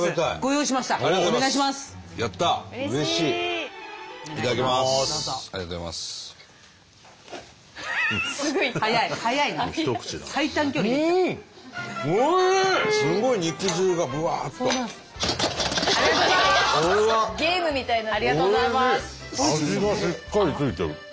味がしっかりついてる。